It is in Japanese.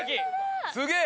すげえ！